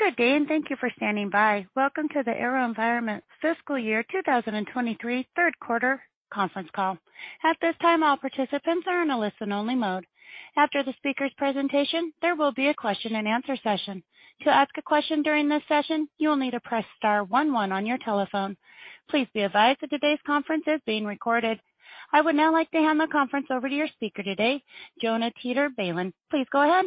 Good day. Thank you for standing by. Welcome to the AeroVironment Fiscal Year 2023 third quarter conference call. At this time, all participants are in a listen-only mode. After the speaker's presentation, there will be a question-and-answer session. To ask a question during this session, you will need to press star one one on your telephone. Please be advised that today's conference is being recorded. I would now like to hand the conference over to your speaker today, Jonah Teeter-Balin. Please go ahead.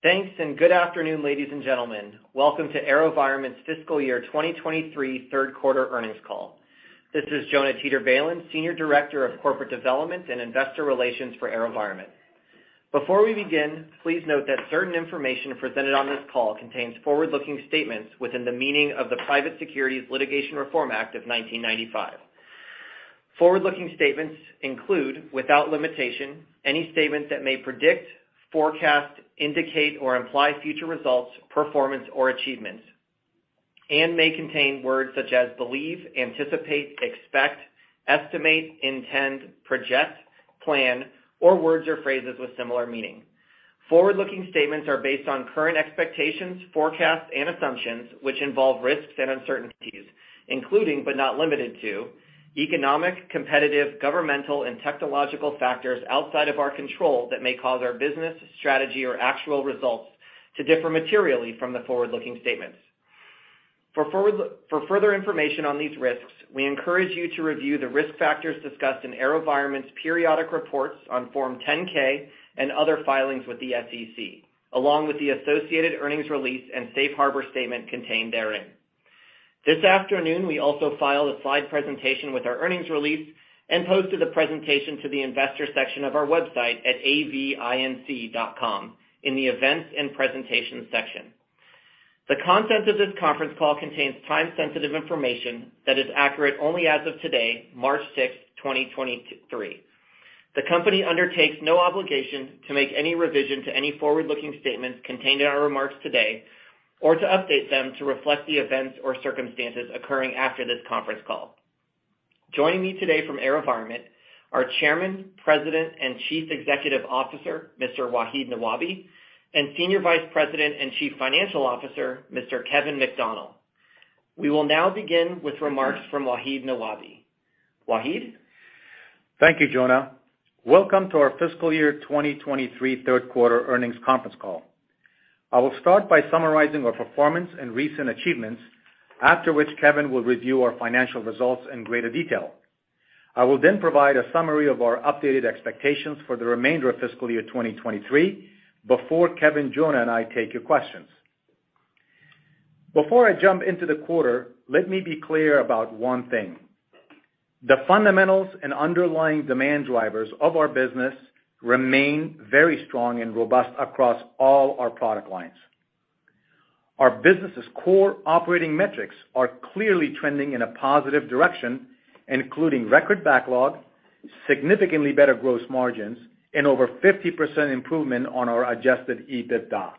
Thanks, good afternoon, ladies and gentlemen. Welcome to AeroVironment's Fiscal Year 2023 third quarter earnings call. This is Jonah Teeter-Balin, Senior Director of Corporate Development and Investor Relations for AeroVironment. Before we begin, please note that certain information presented on this call contains forward-looking statements within the meaning of the Private Securities Litigation Reform Act of 1995. Forward-looking statements include, without limitation, any statements that may predict, forecast, indicate, or imply future results, performance, or achievements, and may contain words such as believe, anticipate, expect, estimate, intend, project, plan, or words or phrases with similar meaning. Forward-looking statements are based on current expectations, forecasts, and assumptions, which involve risks and uncertainties, including but not limited to economic, competitive, governmental, and technological factors outside of our control that may cause our business, strategy, or actual results to differ materially from the forward-looking statements. For further information on these risks, we encourage you to review the risk factors discussed in AeroVironment's periodic reports on Form 10-K and other filings with the SEC, along with the associated earnings release and safe harbor statement contained therein. This afternoon, we also filed a slide presentation with our earnings release and posted the presentation to the investor section of our website at avinc.com in the Events and Presentation section. The content of this conference call contains time-sensitive information that is accurate only as of today, March 6, 2023. The company undertakes no obligation to make any revision to any forward-looking statements contained in our remarks today or to update them to reflect the events or circumstances occurring after this conference call. Joining me today from AeroVironment are Chairman, President, and Chief Executive Officer, Mr. Wahid Nawabi, and Senior Vice President and Chief Financial Officer, Mr. Kevin McDonnell. We will now begin with remarks from Wahid Nawabi. Wahid? Thank you, Jonah. Welcome to our fiscal year 2023 third quarter earnings conference call. I will start by summarizing our performance and recent achievements. After which, Kevin will review our financial results in greater detail. I will then provide a summary of our updated expectations for the remainder of fiscal year 2023 before Kevin, Jonah, and I take your questions. Before I jump into the quarter, let me be clear about one thing. The fundamentals and underlying demand drivers of our business remain very strong and robust across all our product lines. Our business's core operating metrics are clearly trending in a positive direction, including record backlog, significantly better gross margins, and over 50% improvement on our adjusted EBITDA.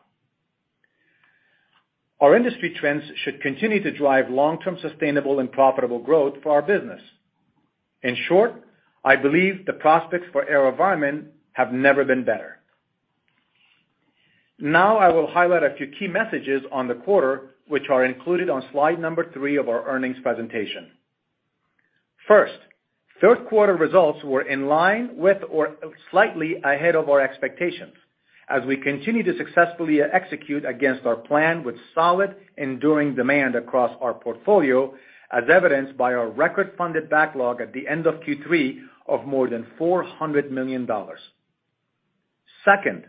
Our industry trends should continue to drive long-term sustainable and profitable growth for our business. In short, I believe the prospects for AeroVironment have never been better. Now I will highlight a few key messages on the quarter, which are included on slide number three of our earnings presentation. First, third quarter results were in line with or slightly ahead of our expectations as we continue to successfully execute against our plan with solid enduring demand across our portfolio, as evidenced by our record-funded backlog at the end of Q3 of more than $400 million. Second,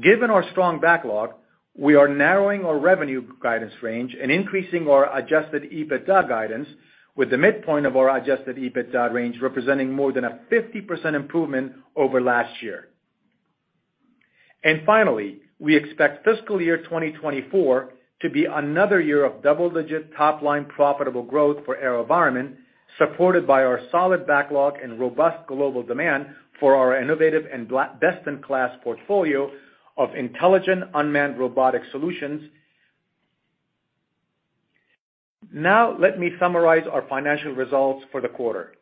given our strong backlog, we are narrowing our revenue guidance range and increasing our adjusted EBITDA guidance with the midpoint of our adjusted EBITDA range representing more than a 50% improvement over last year. Finally, we expect fiscal year 2024 to be another year of double-digit top-line profitable growth for AeroVironment, supported by our solid backlog and robust global demand for our innovative and best-in-class portfolio of intelligent unmanned robotic solutions. Let me summarize our financial results for the quarter.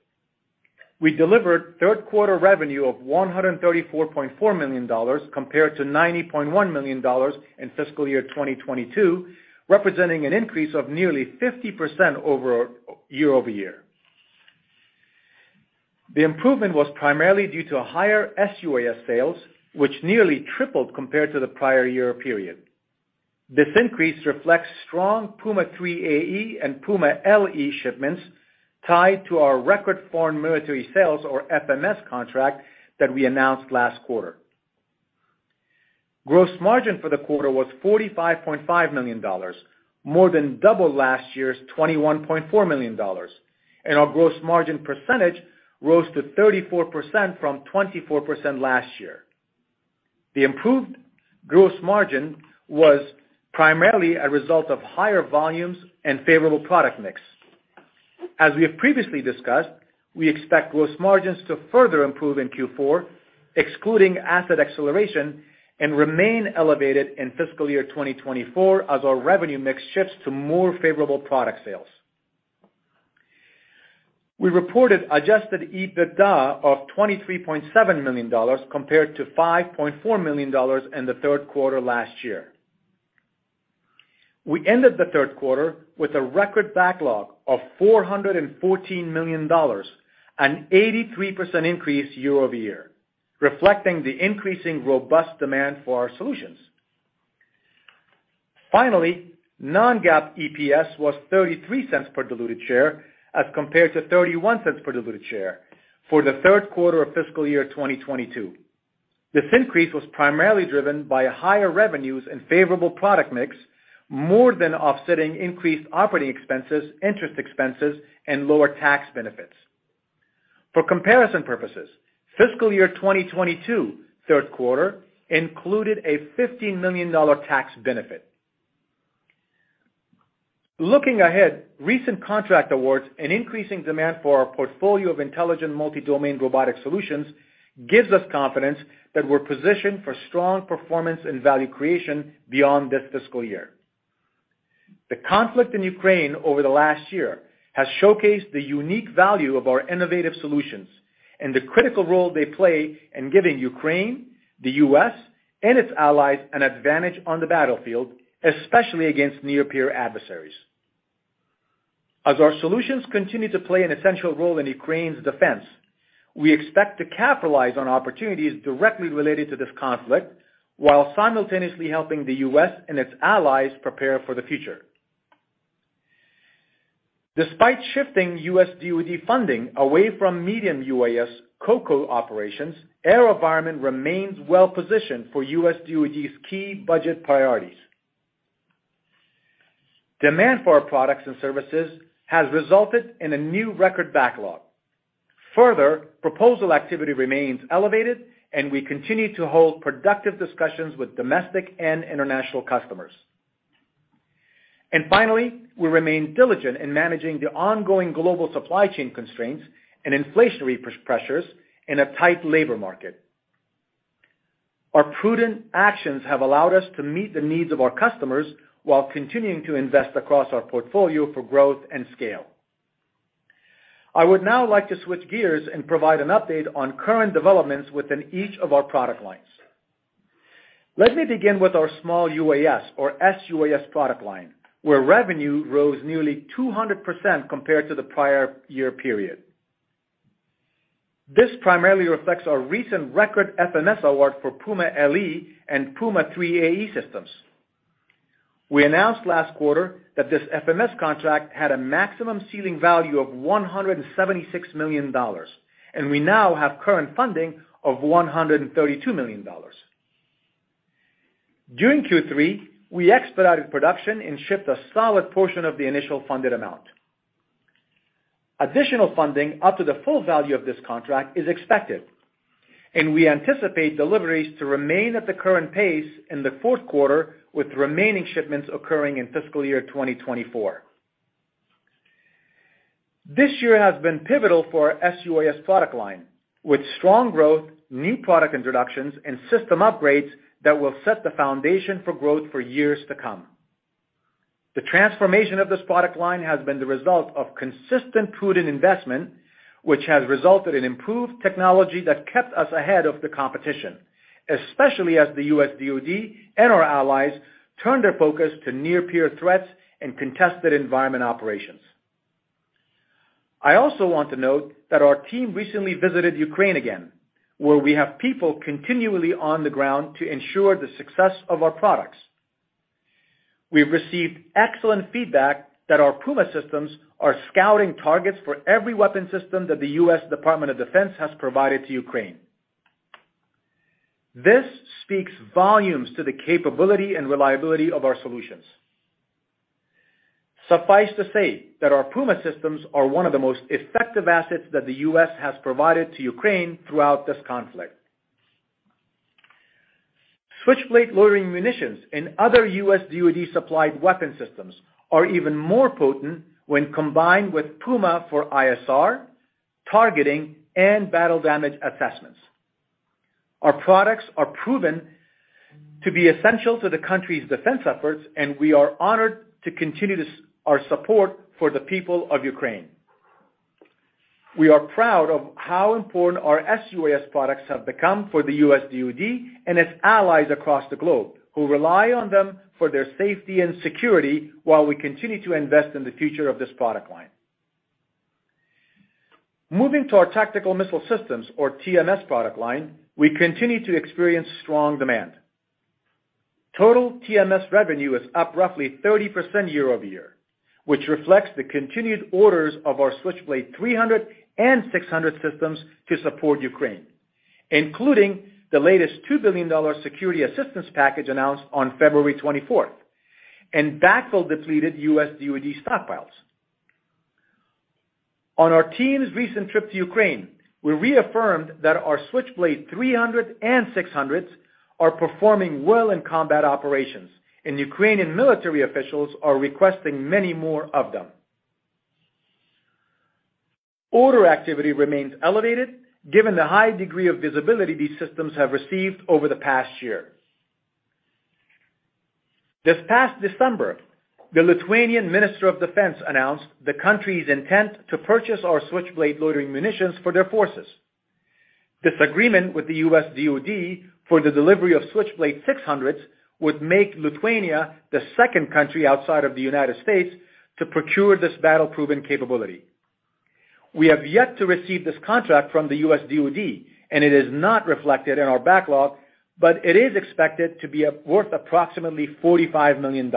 We delivered third quarter revenue of $134.4 million compared to $90.1 million in fiscal year 2022, representing an increase of nearly 50% year-over-year. The improvement was primarily due to higher SUAS sales, which nearly tripled compared to the prior year period. This increase reflects strong Puma 3 AE and Puma LE shipments tied to our record Foreign Military Sales or FMS contract that we announced last quarter. Gross margin for the quarter was $45.5 million, more than double last year's $21.4 million. Our gross margin percentage rose to 34% from 24% last year. The improved gross margin was primarily a result of higher volumes and favorable product mix. As we have previously discussed, we expect gross margins to further improve in Q4, excluding asset acceleration, and remain elevated in fiscal year 2024 as our revenue mix shifts to more favorable product sales. We reported adjusted EBITDA of $23.7 million compared to $5.4 million in the third quarter last year. We ended the third quarter with a record backlog of $414 million, an 83% increase year-over-year, reflecting the increasing robust demand for our solutions. Finally, non-GAAP EPS was $0.33 per diluted share as compared to $0.31 per diluted share for the third quarter of fiscal year 2022. This increase was primarily driven by higher revenues and favorable product mix, more than offsetting increased operating expenses, interest expenses and lower tax benefits. For comparison purposes, fiscal year 2022 third quarter included a $15 million tax benefit. Looking ahead, recent contract awards and increasing demand for our portfolio of intelligent multi-domain robotic solutions gives us confidence that we're positioned for strong performance and value creation beyond this fiscal year. The conflict in Ukraine over the last year has showcased the unique value of our innovative solutions and the critical role they play in giving Ukraine, the U.S., and its allies an advantage on the battlefield, especially against near-peer adversaries. As our solutions continue to play an essential role in Ukraine's defense, we expect to capitalize on opportunities directly related to this conflict while simultaneously helping the U.S. and its allies prepare for the future. Despite shifting U.S. DoD funding away from medium UAS COCO operations, AeroVironment remains well-positioned for U.S. DoD's key budget priorities. Demand for our products and services has resulted in a new record backlog. Further, proposal activity remains elevated, and we continue to hold productive discussions with domestic and international customers. Finally, we remain diligent in managing the ongoing global supply chain constraints and inflationary pressures in a tight labor market. Our prudent actions have allowed us to meet the needs of our customers while continuing to invest across our portfolio for growth and scale. I would now like to switch gears and provide an update on current developments within each of our product lines. Let me begin with our small UAS or SUAS product line, where revenue rose nearly 200% compared to the prior year period. This primarily reflects our recent record FMS award for Puma LE and Puma 3 AE systems. We announced last quarter that this FMS contract had a maximum ceiling value of $176 million, and we now have current funding of $132 million. During Q3, we expedited production and shipped a solid portion of the initial funded amount. Additional funding up to the full value of this contract is expected, and we anticipate deliveries to remain at the current pace in the fourth quarter, with remaining shipments occurring in fiscal year 2024. This year has been pivotal for our sUAS product line, with strong growth, new product introductions, and system upgrades that will set the foundation for growth for years to come. The transformation of this product line has been the result of consistent prudent investment, which has resulted in improved technology that kept us ahead of the competition, especially as the U.S. DoD and our allies turn their focus to near-peer threats and contested environment operations. I also want to note that our team recently visited Ukraine again, where we have people continually on the ground to ensure the success of our products. We've received excellent feedback that our Puma systems are scouting targets for every weapon system that the U.S. Department of Defense has provided to Ukraine. This speaks volumes to the capability and reliability of our solutions. Suffice to say that our Puma systems are one of the most effective assets that the U.S. has provided to Ukraine throughout this conflict. Switchblade loitering munitions and other U.S. DoD-supplied weapon systems are even more potent when combined with Puma for ISR, targeting, and battle damage assessments. Our products are proven to be essential to the country's defense efforts. We are honored to continue this, our support for the people of Ukraine. We are proud of how important our sUAS products have become for the U.S. DoD and its allies across the globe who rely on them for their safety and security while we continue to invest in the future of this product line. Moving to our tactical missile systems or TMS product line, we continue to experience strong demand. Total TMS revenue is up roughly 30% year over year, which reflects the continued orders of our Switchblade 300 and 600 systems to support Ukraine, including the latest $2 billion security assistance package announced on February 24th, that will depleted U.S. DoD stockpiles. On our team's recent trip to Ukraine, we reaffirmed that our Switchblade 300 and 600s are performing well in combat operations, Ukrainian military officials are requesting many more of them. Order activity remains elevated given the high degree of visibility these systems have received over the past year. This past December, the Lithuanian Minister of Defense announced the country's intent to purchase our Switchblade loitering munitions for their forces. This agreement with the U.S. DoD for the delivery of Switchblade 600s would make Lithuania the second country outside of the United States to procure this battle-proven capability. We have yet to receive this contract from the DoD, it is not reflected in our backlog, it is expected to be worth approximately $45 million.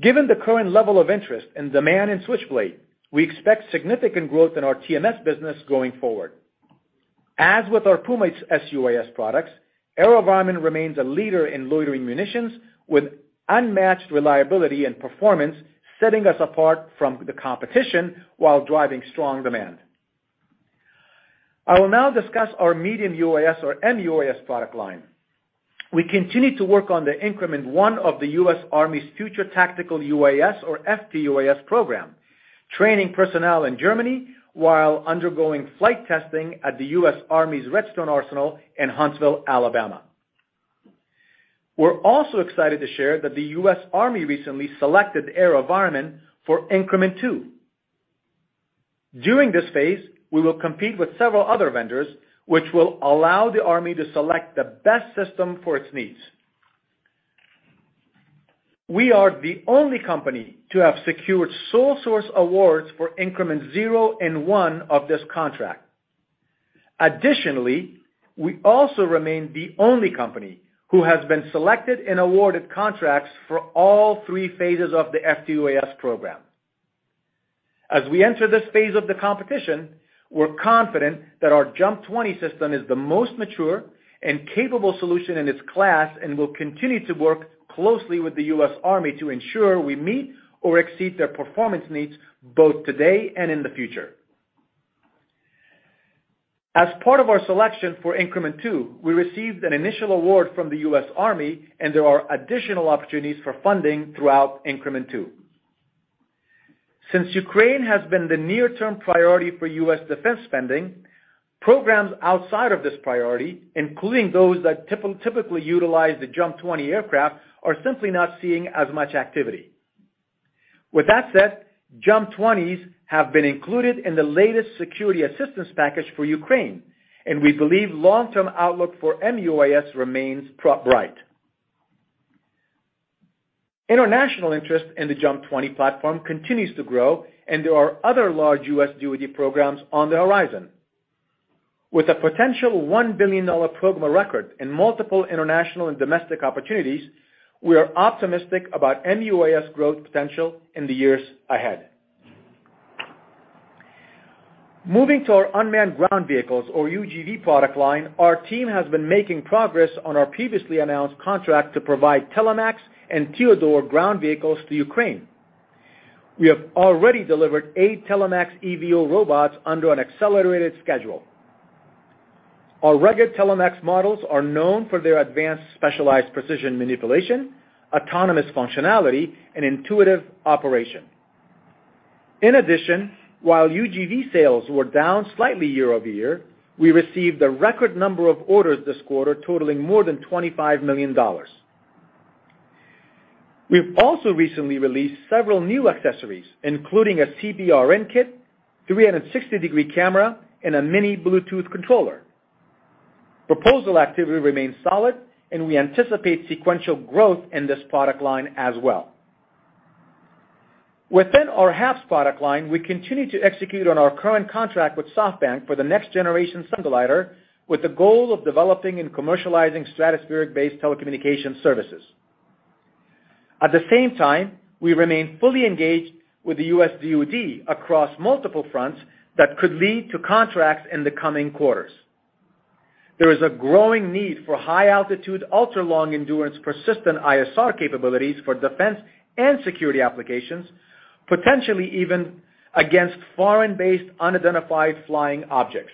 Given the current level of interest and demand in Switchblade, we expect significant growth in our TMS business going forward. As with our Puma sUAS products, AeroVironment remains a leader in loitering munitions with unmatched reliability and performance, setting us apart from the competition while driving strong demand. I will now discuss our medium UAS or MUAS product line. We continue to work on the Increment 1 of the U.S. Army's Future Tactical UAS or FTUAS program, training personnel in Germany while undergoing flight testing at the U.S. Army's Redstone Arsenal in Huntsville, Alabama. We're also excited to share that the U.S. Army recently selected AeroVironment for Increment 2. During this phase, we will compete with several other vendors, which will allow the U.S. Army to select the best system for its needs. We are the only company to have secured sole source awards for Increment 0 and 1 of this contract. Additionally, we also remain the only company who has been selected and awarded contracts for all 3 phases of the FTUAS program. As we enter this phase of the competition, we're confident that our JUMP 20 system is the most mature and capable solution in its class and will continue to work closely with the U.S. Army to ensure we meet or exceed their performance needs both today and in the future. As part of our selection for increment 2, we received an initial award from the U.S. Army, and there are additional opportunities for funding throughout Increment 2. Since Ukraine has been the near-term priority for U.S. defense spending, programs outside of this priority, including those that typically utilize the JUMP 20 aircraft, are simply not seeing as much activity. With that said, JUMP 20s have been included in the latest security assistance package for Ukraine, and we believe long-term outlook for MUAS remains bright. International interest in the JUMP 20 platform continues to grow, and there are other large U.S. DoD programs on the horizon. With a potential $1 billion program record in multiple international and domestic opportunities, we are optimistic about MUAS growth potential in the years ahead. Moving to our unmanned ground vehicles or UGV product line, our team has been making progress on our previously announced contract to provide telemax and tEODor ground vehicles to Ukraine. We have already delivered eight telemax EVO robots under an accelerated schedule. Our rugged telemax models are known for their advanced specialized precision manipulation, autonomous functionality, and intuitive operation. In addition, while UGV sales were down slightly year-over-year, we received a record number of orders this quarter totaling more than $25 million. We've also recently released several new accessories, including a CBRN kit, 360 degree camera, and a mini Bluetooth controller. Proposal activity remains solid, and we anticipate sequential growth in this product line as well. Within our HAPS product line, we continue to execute on our current contract with SoftBank for the next-generation Sunglider with the goal of developing and commercializing stratospheric-based telecommunication services. At the same time, we remain fully engaged with the U.S. DoD across multiple fronts that could lead to contracts in the coming quarters. There is a growing need for high-altitude, ultra-long endurance, persistent ISR capabilities for defense and security applications, potentially even against foreign-based unidentified flying objects.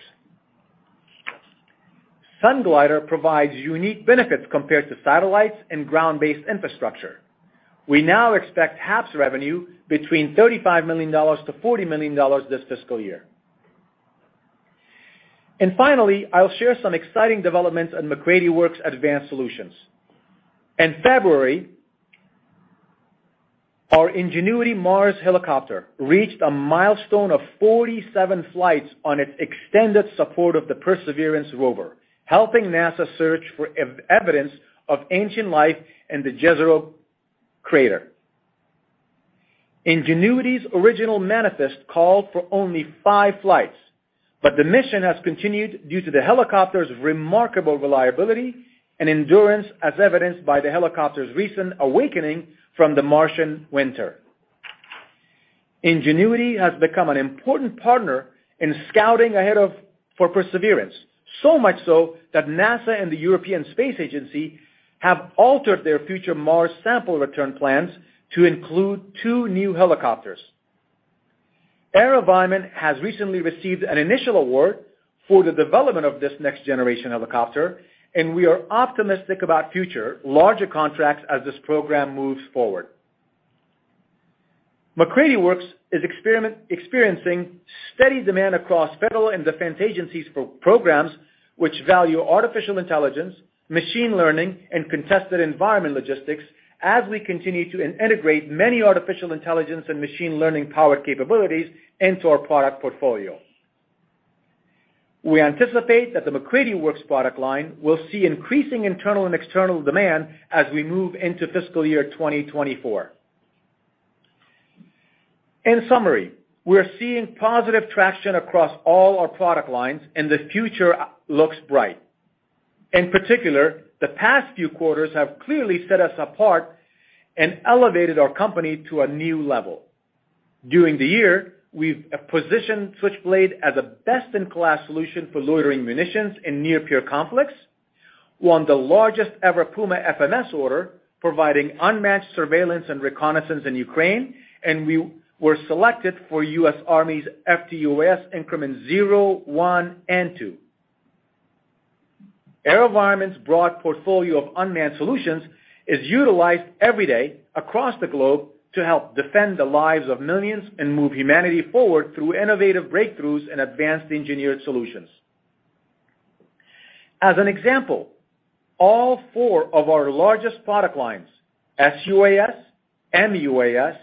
Sunglider provides unique benefits compared to satellites and ground-based infrastructure. We now expect HAPS revenue between $35 million-$40 million this fiscal year. Finally, I'll share some exciting developments on MacCready Works Advanced Solutions. In February, our Ingenuity Mars helicopter reached a milestone of 47 flights on its extended support of the Perseverance rover, helping NASA search for evidence of ancient life in the Jezero Crater. Ingenuity's original manifest called for only 5 flights, but the mission has continued due to the helicopter's remarkable reliability and endurance as evidenced by the helicopter's recent awakening from the Martian winter. Ingenuity has become an important partner in scouting for Perseverance, so much so that NASA and the European Space Agency have altered their future Mars sample return plans to include two new helicopters. AeroVironment has recently received an initial award for the development of this next-generation helicopter. We are optimistic about future larger contracts as this program moves forward. MacCready Works is experiencing steady demand across federal and defense agencies for programs which value artificial intelligence, machine learning, and contested environment logistics as we continue to integrate many artificial intelligence and machine learning-powered capabilities into our product portfolio. We anticipate that the MacCready Works product line will see increasing internal and external demand as we move into fiscal year 2024. In summary, we're seeing positive traction across all our product lines. The future looks bright. In particular, the past few quarters have clearly set us apart and elevated our company to a new level. During the year, we've positioned Switchblade as a best-in-class solution for loitering munitions in near-peer conflicts. Won the largest-ever Puma FMS order, providing unmatched surveillance and reconnaissance in Ukraine, and we were selected for U.S. Army's FTUAS Increment 0, 1, and 2. AeroVironment's broad portfolio of unmanned solutions is utilized every day across the globe to help defend the lives of millions and move humanity forward through innovative breakthroughs and advanced engineered solutions. As an example, all four of our largest product lines, sUAS, MUAS,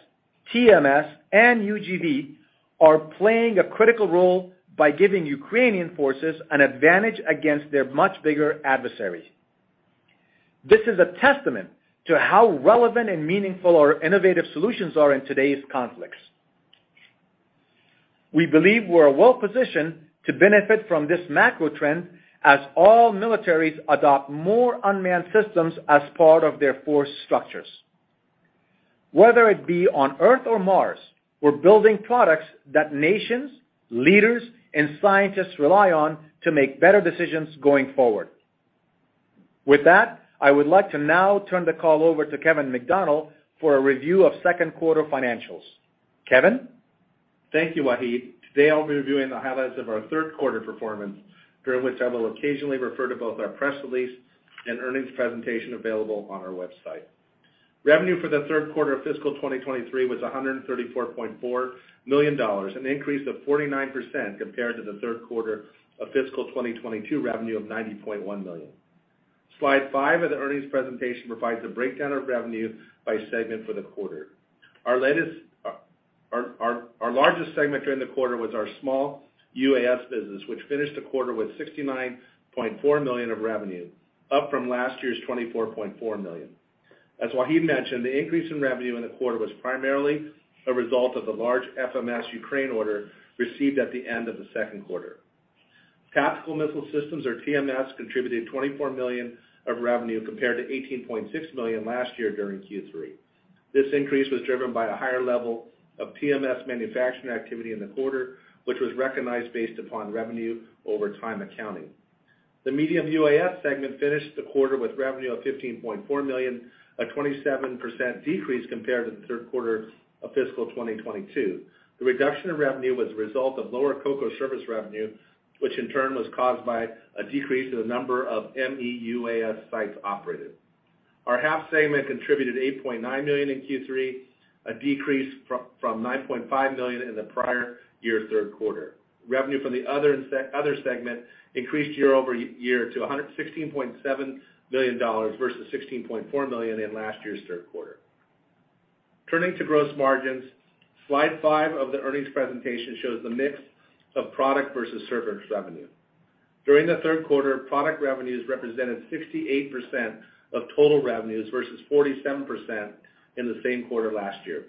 TMS, and UGV, are playing a critical role by giving Ukrainian forces an advantage against their much bigger adversary. This is a testament to how relevant and meaningful our innovative solutions are in today's conflicts. We believe we're well-positioned to benefit from this macro trend as all militaries adopt more unmanned systems as part of their force structures. Whether it be on Earth or Mars, we're building products that nations, leaders, and scientists rely on to make better decisions going forward. I would like to now turn the call over to Kevin McDonnell for a review of second quarter financials. Kevin? Thank you, Wahid. Today, I'll be reviewing the highlights of our third quarter performance, during which I will occasionally refer to both our press release and earnings presentation available on our website. Revenue for the third quarter of fiscal 2023 was $134.4 million, an increase of 49% compared to the third quarter of fiscal 2022 revenue of $90.1 million. Slide five of the earnings presentation provides a breakdown of revenue by segment for the quarter. Our largest segment during the quarter was our small UAS business, which finished the quarter with $69.4 million of revenue, up from last year's $24.4 million. As Wahid mentioned, the increase in revenue in the quarter was primarily a result of the large FMS Ukraine order received at the end of the second quarter. Tactical Missile Systems or TMS contributed $24 million of revenue compared to $18.6 million last year during Q3. This increase was driven by a higher level of TMS manufacturing activity in the quarter, which was recognized based upon revenue over time accounting. The medium UAS segment finished the quarter with revenue of $15.4 million, a 27% decrease compared to the third quarter of fiscal 2022. The reduction in revenue was a result of lower COCO service revenue, which in turn was caused by a decrease in the number of MUAS sites operated. Our HAPS segment contributed $8.9 million in Q3, a decrease from $9.5 million in the prior year third quarter. Revenue from the other segment increased year-over-year to $116.7 million versus $16.4 million in last year's third quarter. Turning to gross margins, slide 5 of the earnings presentation shows the mix of product versus service revenue. During the third quarter, product revenues represented 68% of total revenues versus 47% in the same quarter last year.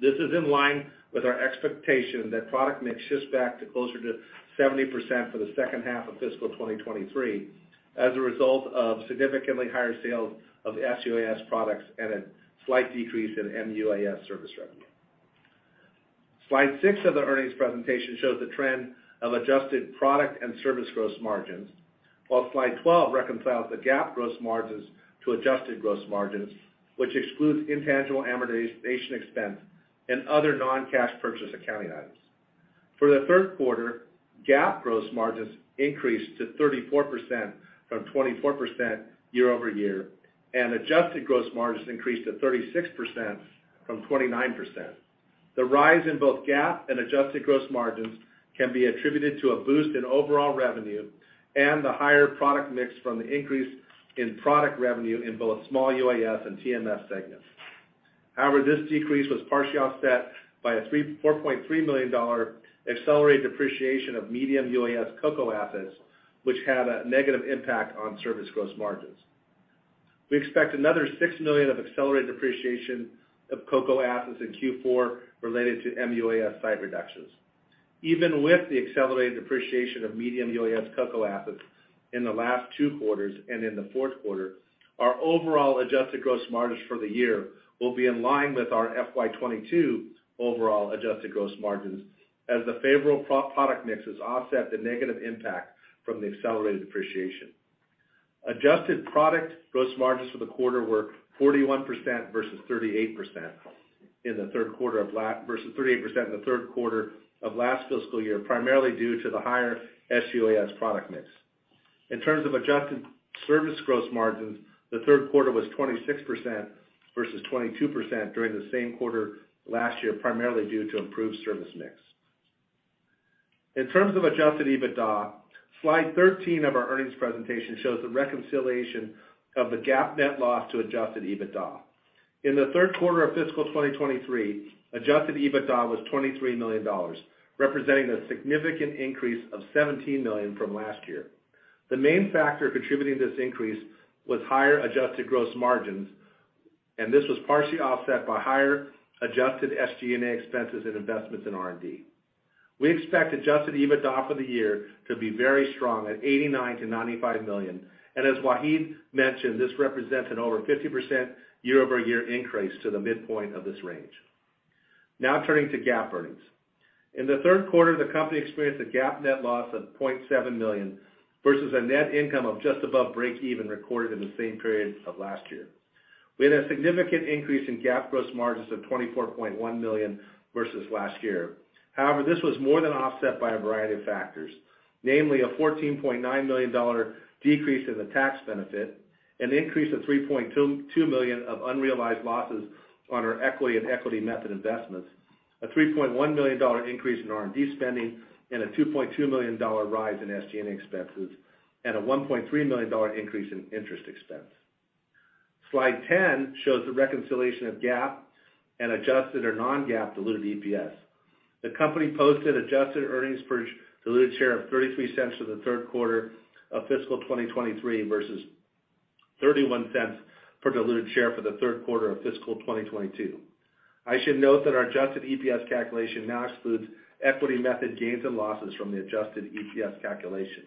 This is in line with our expectation that product mix shifts back to closer to 70% for the second half of fiscal 2023 as a result of significantly higher sales of sUAS products and a slight decrease in MUAS service revenue. Slide 6 of the earnings presentation shows the trend of adjusted product and service gross margins, while slide 12 reconciles the GAAP gross margins to adjusted gross margins, which excludes intangible amortization expense and other non-cash purchase accounting items. For the third quarter, GAAP gross margins increased to 34% from 24% year-over-year, and adjusted gross margins increased to 36% from 29%. The rise in both GAAP and adjusted gross margins can be attributed to a boost in overall revenue and the higher product mix from the increase in product revenue in both small UAS and TMS segments. However, this decrease was partially offset by a $4.3 million accelerated depreciation of medium UAS COCO assets, which had a negative impact on service gross margins. We expect another $6 million of accelerated depreciation of COCO assets in Q4 related to MUAS site reductions. Even with the accelerated depreciation of medium UAS COCO assets in the last two quarters and in the fourth quarter, our overall adjusted gross margins for the year will be in line with our FY 2022 overall adjusted gross margins as the favorable product mixes offset the negative impact from the accelerated depreciation. Adjusted product gross margins for the quarter were 41% versus 38% in the third quarter of last fiscal year, primarily due to the higher sUAS product mix. In terms of adjusted service gross margins, the third quarter was 26% versus 22% during the same quarter last year, primarily due to improved service mix. In terms of adjusted EBITDA, slide 13 of our earnings presentation shows the reconciliation of the GAAP net loss to adjusted EBITDA. In the third quarter of fiscal 2023, adjusted EBITDA was $23 million, representing a significant increase of $17 million from last year. The main factor contributing to this increase was higher adjusted gross margins, this was partially offset by higher adjusted SG&A expenses and investments in R&D. We expect adjusted EBITDA for the year to be very strong at $89 million-$95 million. As Wahid mentioned, this represents an over 50% year-over-year increase to the midpoint of this range. Now turning to GAAP earnings. In the third quarter, the company experienced a GAAP net loss of $0.7 million versus a net income of just above breakeven recorded in the same period of last year. We had a significant increase in GAAP gross margins of $24.1 million versus last year. However, this was more than offset by a variety of factors, namely a $14.9 million decrease in the tax benefit, an increase of $3.22 million of unrealized losses on our equity and equity method investments, a $3.1 million increase in R&D spending, and a $2.2 million rise in SG&A expenses, and a $1.3 million increase in interest expense. Slide 10 shows the reconciliation of GAAP and adjusted or non-GAAP diluted EPS. The company posted adjusted earnings per diluted share of $0.33 for the third quarter of fiscal 2023 versus $0.31 per diluted share for the third quarter of fiscal 2022. I should note that our adjusted EPS calculation now excludes equity method gains and losses from the adjusted EPS calculation.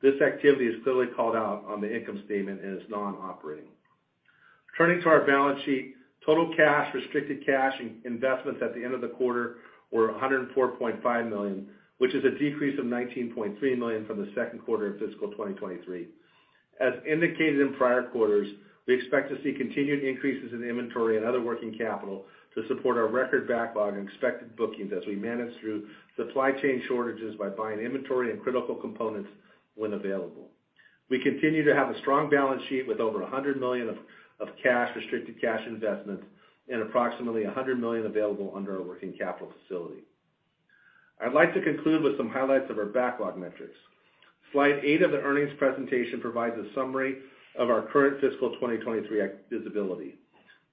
This activity is clearly called out on the income statement and is non-operating. Turning to our balance sheet, total cash, restricted cash, in-investments at the end of the quarter were $104.5 million, which is a decrease of $19.3 million from the second quarter of fiscal 2023. As indicated in prior quarters, we expect to see continued increases in inventory and other working capital to support our record backlog and expected bookings as we manage through supply chain shortages by buying inventory and critical components when available. We continue to have a strong balance sheet with over $100 million of cash, restricted cash, and investments and approximately $100 million available under our working capital facility. I'd like to conclude with some highlights of our backlog metrics. Slide 8 of the earnings presentation provides a summary of our current fiscal 2023 visibility.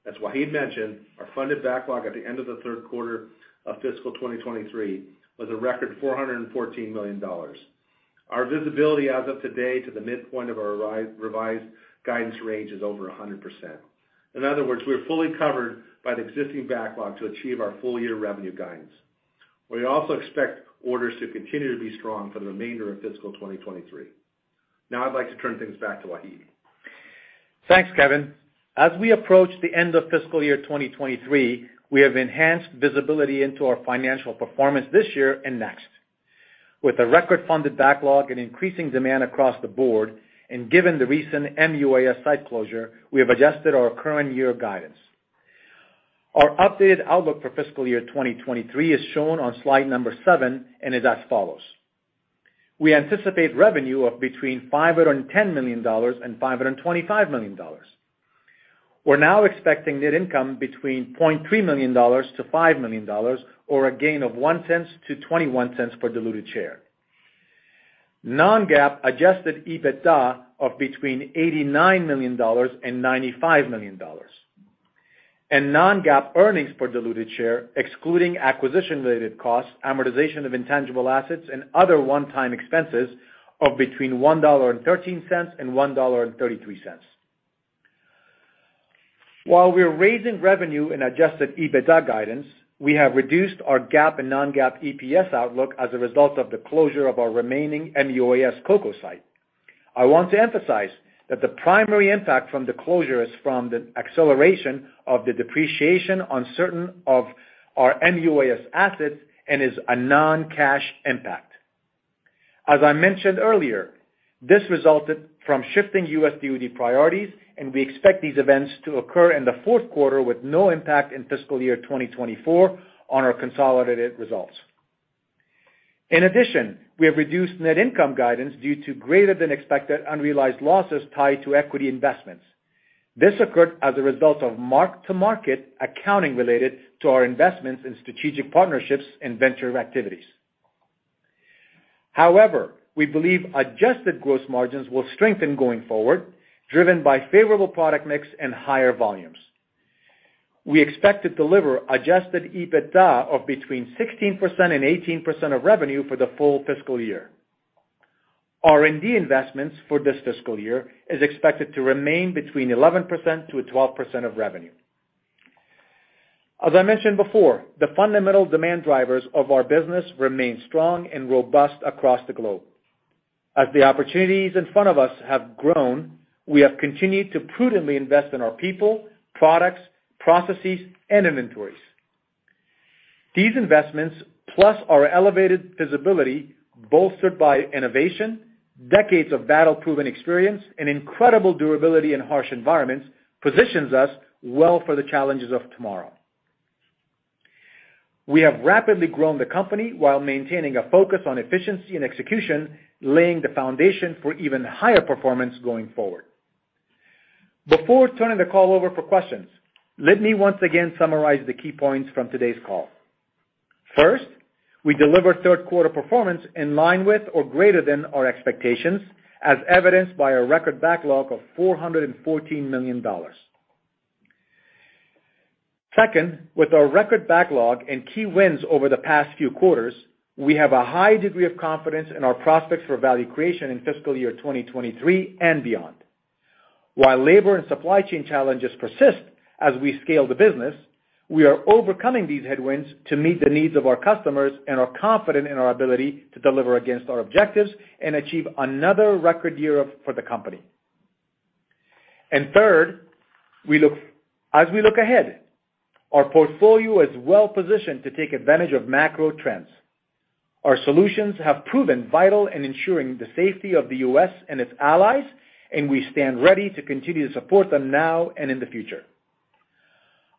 As Wahid mentioned, our funded backlog at the end of the third quarter of fiscal 2023 was a record $414 million. Our visibility as of today to the midpoint of our revised guidance range is over 100%. In other words, we are fully covered by the existing backlog to achieve our full year revenue guidance. We also expect orders to continue to be strong for the remainder of fiscal 2023. I'd like to turn things back to Wahid. Thanks, Kevin. As we approach the end of fiscal year 2023, we have enhanced visibility into our financial performance this year and next. With a record-funded backlog and increasing demand across the board, given the recent MUAS site closure, we have adjusted our current year guidance. Our updated outlook for fiscal year 2023 is shown on slide number seven and is as follows. We anticipate revenue of between $510 million and $525 million. We're now expecting net income between $0.3 million to $5 million or a gain of $0.01 to $0.21 per diluted share. non-GAAP adjusted EBITDA of between $89 million and $95 million. Non-GAAP earnings per diluted share, excluding acquisition-related costs, amortization of intangible assets, and other one-time expenses of between $1.13 and $1.33. While we're raising revenue in adjusted EBITDA guidance, we have reduced our GAAP and non-GAAP EPS outlook as a result of the closure of our remaining MUAS COCO site. I want to emphasize that the primary impact from the closure is from the acceleration of the depreciation on certain of our MUAS assets and is a non-cash impact. As I mentioned earlier, this resulted from shifting U.S. DoD priorities, and we expect these events to occur in the fourth quarter with no impact in fiscal year 2024 on our consolidated results. In addition, we have reduced net income guidance due to greater than expected unrealized losses tied to equity investments. This occurred as a result of mark-to-market accounting related to our investments in strategic partnerships and venture activities. However, we believe adjusted gross margins will strengthen going forward, driven by favorable product mix and higher volumes. We expect to deliver adjusted EBITDA of between 16% and 18% of revenue for the full fiscal year. R&D investments for this fiscal year is expected to remain between 11% to 12% of revenue. As I mentioned before, the fundamental demand drivers of our business remain strong and robust across the globe. As the opportunities in front of us have grown, we have continued to prudently invest in our people, products, processes, and inventories. These investments, plus our elevated visibility, bolstered by innovation, decades of battle-proven experience, and incredible durability in harsh environments, positions us well for the challenges of tomorrow. We have rapidly grown the company while maintaining a focus on efficiency and execution, laying the foundation for even higher performance going forward. Before turning the call over for questions, let me once again summarize the key points from today's call. First, we delivered third quarter performance in line with or greater than our expectations, as evidenced by a record backlog of $414 million. Second, with our record backlog and key wins over the past few quarters, we have a high degree of confidence in our prospects for value creation in fiscal year 2023 and beyond. While labor and supply chain challenges persist as we scale the business, we are overcoming these headwinds to meet the needs of our customers and are confident in our ability to deliver against our objectives and achieve another record year for the company. Third, as we look ahead, our portfolio is well-positioned to take advantage of macro trends. Our solutions have proven vital in ensuring the safety of the U.S. and its allies. We stand ready to continue to support them now and in the future.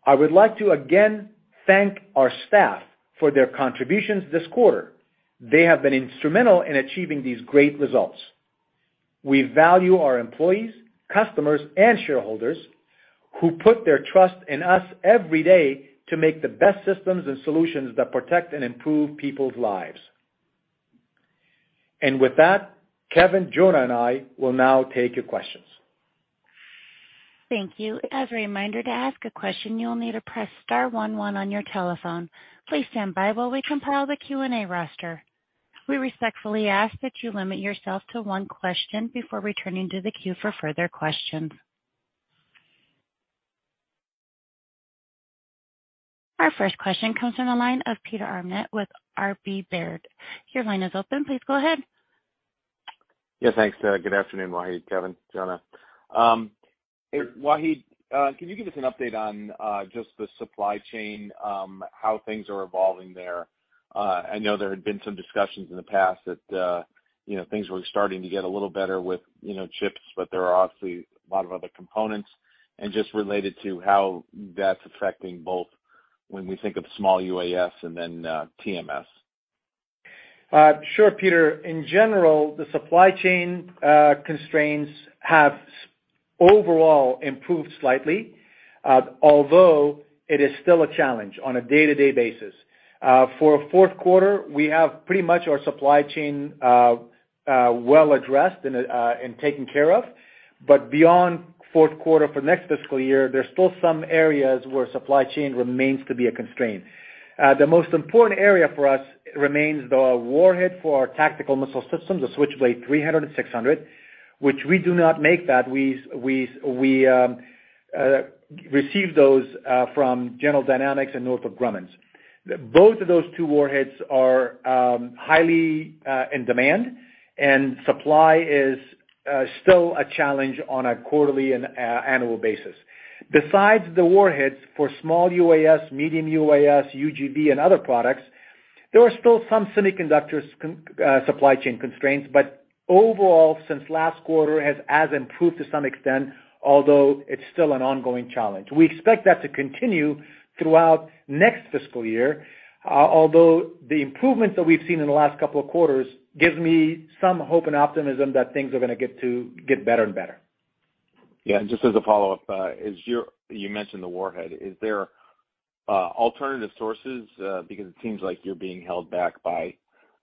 I would like to again thank our staff for their contributions this quarter. They have been instrumental in achieving these great results. We value our employees, customers, and shareholders who put their trust in us every day to make the best systems and solutions that protect and improve people's lives. With that, Kevin, Jonah, and I will now take your questions. Thank you. As a reminder, to ask a question, you'll need to press star one one on your telephone. Please stand by while we compile the Q&A roster. We respectfully ask that you limit yourself to one question before returning to the queue for further questions. Our first question comes from the line of Peter Arment with RW Baird. Your line is open. Please go ahead. Thanks. Good afternoon, Wahid, Kevin, Jonah. Wahid, can you give us an update on just the supply chain, how things are evolving there? I know there had been some discussions in the past that, you know, things were starting to get a little better with, you know, chips, but there are obviously a lot of other components, and just related to how that's affecting both when we think of small UAS and then TMS. Sure, Peter. In general, the supply chain constraints have overall improved slightly, although it is still a challenge on a day-to-day basis. For our fourth quarter, we have pretty much our supply chain well addressed and taken care of. Beyond fourth quarter for next fiscal year, there's still some areas where supply chain remains to be a constraint. The most important area for us remains the warhead for our tactical missile systems, the Switchblade 300 and 600, which we do not make that. We receive those from General Dynamics and Northrop Grumman. Both of those two warheads are highly in demand, and supply is still a challenge on a quarterly and annual basis. Besides the warheads for small UAS, medium UAS, UGV and other products, there are still some semiconductors supply chain constraints. Overall, since last quarter, has improved to some extent, although it's still an ongoing challenge. We expect that to continue throughout next fiscal year. The improvements that we've seen in the last couple of quarters gives me some hope and optimism that things are gonna get better and better. Yeah. Just as a follow-up, You mentioned the warhead. Is there alternative sources? Because it seems like you're being held back by,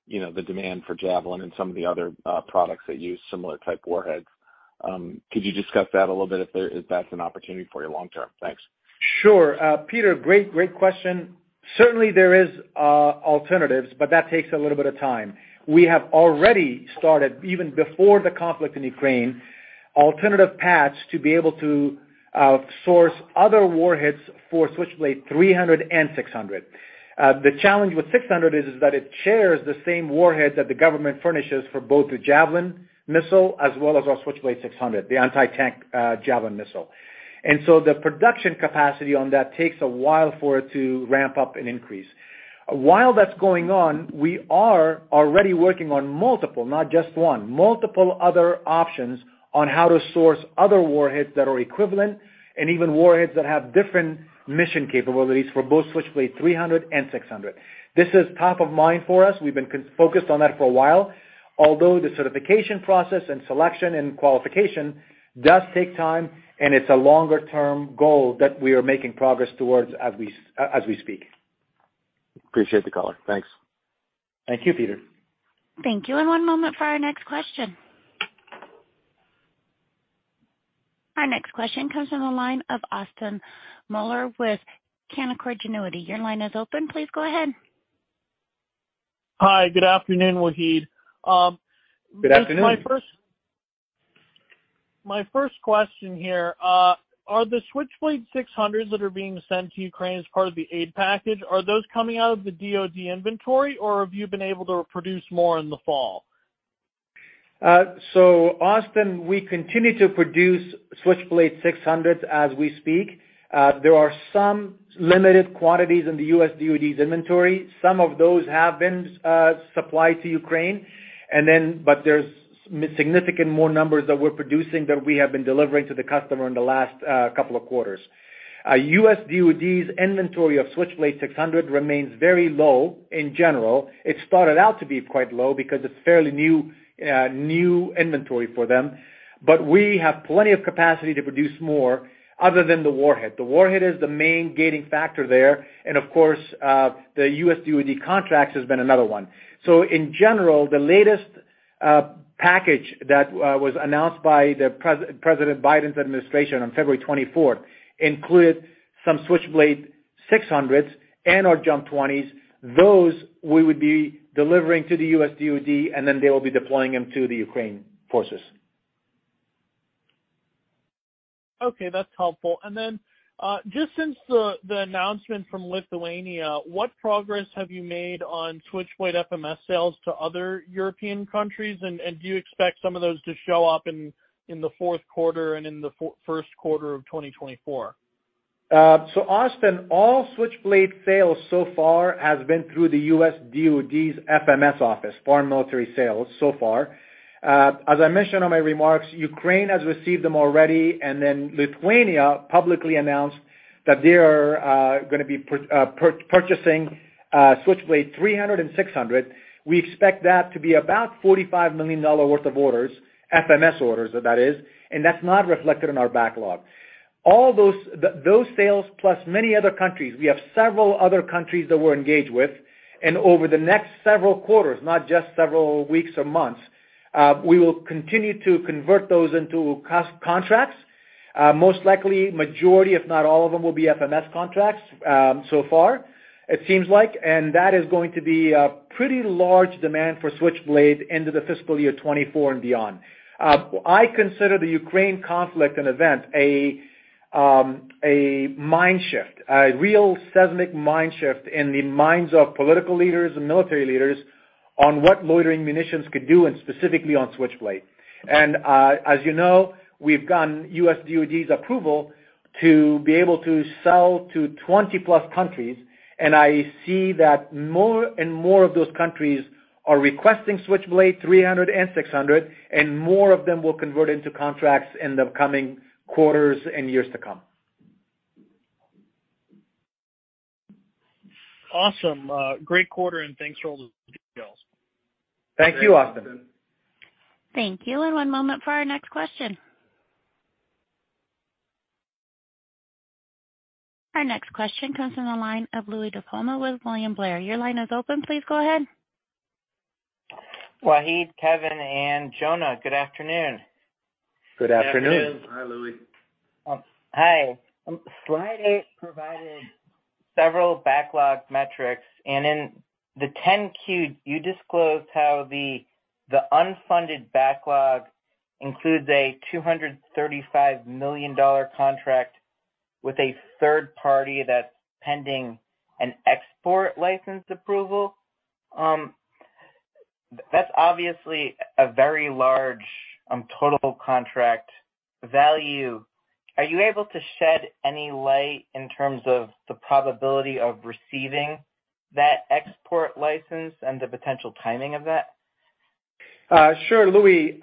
you know, the demand for Javelin and some of the other products that use similar type warheads. Could you discuss that a little bit if there, if that's an opportunity for you long term? Thanks. Sure. Peter, great question. Certainly, there is alternatives, but that takes a little bit of time. We have already started, even before the conflict in Ukraine, alternative paths to be able to source other warheads for Switchblade 300 and 600. The challenge with 600 is that it shares the same warhead that the government furnishes for both the Javelin missile as well as our Switchblade 600, the anti-tank Javelin missile. The production capacity on that takes a while for it to ramp up and increase. While that's going on, we are already working on multiple, not just one, multiple other options on how to source other warheads that are equivalent and even warheads that have different mission capabilities for both Switchblade 300 and 600. This is top of mind for us. We've been focused on that for a while. Although the certification process and selection and qualification does take time, and it's a longer term goal that we are making progress towards as we speak. Appreciate the color. Thanks. Thank you, Peter. Thank you. One moment for our next question. Our next question comes from the line of Austin Moeller with Canaccord Genuity. Your line is open. Please go ahead. Hi. Good afternoon, Wahid. Good afternoon. My first question here. Are the Switchblade 600s that are being sent to Ukraine as part of the aid package, are those coming out of the DoD inventory, or have you been able to produce more in the fall? Austin, we continue to produce Switchblade 600 as we speak. There are some limited quantities in the U.S. DoD's inventory. Some of those have been supplied to Ukraine. There's significant more numbers that we're producing that we have been delivering to the customer in the last couple of quarters. U.S. DoD's inventory of Switchblade 600 remains very low in general. It started out to be quite low because it's fairly new inventory for them. We have plenty of capacity to produce more other than the warhead. The warhead is the main gating factor there, and of course, the U.S. DoD contracts has been another one. In general, the latest package that was announced by President Biden's administration on February 24th included some Switchblade 600s and/or JUMP 20s. Those we would be delivering to the U.S. DoD, and then they will be deploying them to the Ukraine forces. Okay, that's helpful. Just since the announcement from Lithuania, what progress have you made on Switchblade FMS sales to other European countries, and do you expect some of those to show up in the fourth quarter and in the first quarter of 2024? Austin, all Switchblade sales so far has been through the U.S. DoD's FMS office, Foreign Military Sales, so far. As I mentioned on my remarks, Ukraine has received them already, and then Lithuania publicly announced that they are gonna be purchasing Switchblade 300 and 600. We expect that to be about $45 million worth of orders, FMS orders that is. That's not reflected in our backlog. Those sales plus many other countries, we have several other countries that we're engaged with. Over the next several quarters, not just several weeks or months, we will continue to convert those into contracts. Most likely, majority, if not all of them, will be FMS contracts, so far, it seems like. That is going to be a pretty large demand for Switchblade into the fiscal year 24 and beyond. I consider the Ukraine conflict and event a mind shift, a real seismic mind shift in the minds of political leaders and military leaders on what loitering munitions could do, and specifically on Switchblade. As you know, we've gotten U.S. DoD's approval to be able to sell to 20-plus countries, and I see that more and more of those countries are requesting Switchblade 300 and 600, and more of them will convert into contracts in the coming quarters and years to come. Awesome. Great quarter, and thanks for all those details. Thank you, Austin. Thank you. One moment for our next question. Our next question comes from the line of Louie DiPalma with William Blair. Your line is open. Please go ahead. Wahid, Kevin, and Jonah, good afternoon. Good afternoon. Good afternoon. Hi, Louis. Hi. Slide eight provided several backlog metrics, and in the 10-Q, you disclosed how the unfunded backlog includes a $235 million contract with a third party that's pending an export license approval. That's obviously a very large total contract value. Are you able to shed any light in terms of the probability of receiving that export license and the potential timing of that? Sure, Louie.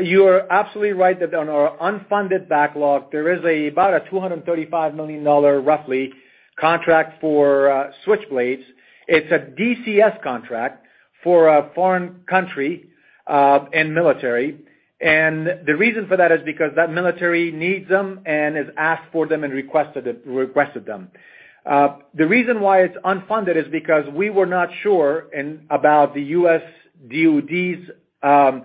You are absolutely right that on our unfunded backlog, there is about a $235 million, roughly, contract for Switchblades. It's a DCS contract for a foreign country and military. The reason for that is because that military needs them and has asked for them and requested them. The reason why it's unfunded is because we were not sure about the U.S. DoD's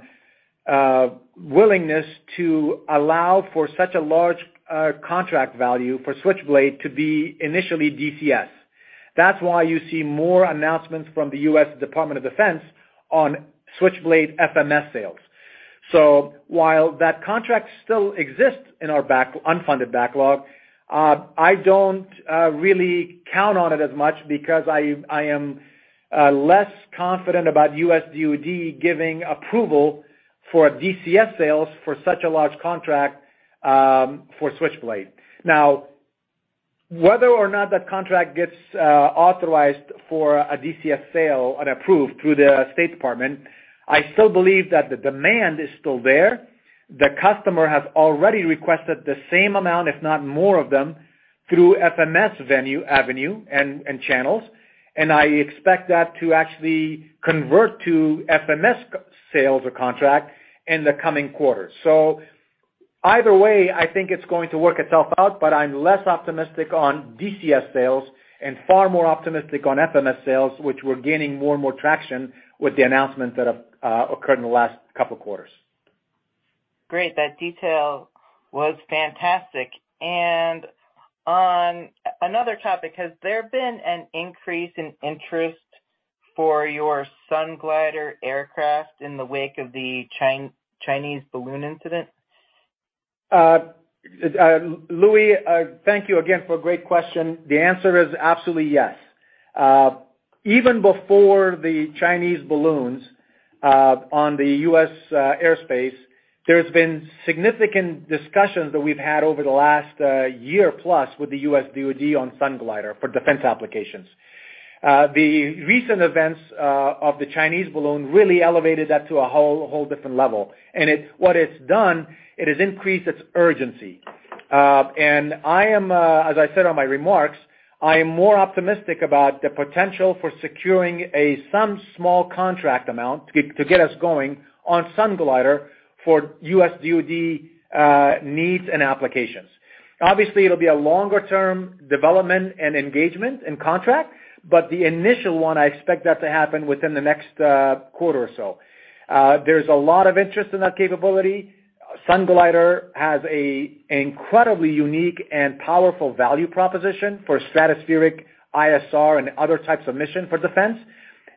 willingness to allow for such a large contract value for Switchblade to be initially DCS. That's why you see more announcements from the U.S. Department of Defense on Switchblade FMS sales. While that contract still exists in our unfunded backlog, I don't really count on it as much because I am less confident about U.S. DoD giving approval for DCS sales for such a large contract for Switchblade. Now, whether or not that contract gets authorized for a DCS sale and approved through the State Department, I still believe that the demand is still there. The customer has already requested the same amount, if not more of them, through FMS avenue and channels. I expect that to actually convert to FMS sales contract in the coming quarters. Either way, I think it's going to work itself out, but I'm less optimistic on DCS sales and far more optimistic on FMS sales, which we're gaining more and more traction with the announcement that occurred in the last couple quarters. Great. That detail was fantastic. On another topic, has there been an increase in interest for your Sunglider aircraft in the wake of the Chinese balloon incident? Louie, thank you again for a great question. The answer is absolutely yes. Even before the Chinese balloons on the U.S. airspace, there's been significant discussions that we've had over the last 1 year plus with the U.S. DoD on Sunglider for defense applications. The recent events of the Chinese balloon really elevated that to a whole different level. What it's done, it has increased its urgency. I am, as I said on my remarks, I am more optimistic about the potential for securing a some small contract amount to get us going on Sunglider for U.S. DoD needs and applications. Obviously, it'll be a longer-term development and engagement and contract, but the initial one, I expect that to happen within the next quarter or so. There's a lot of interest in that capability. Sunglider has a incredibly unique and powerful value proposition for stratospheric ISR and other types of mission for defense.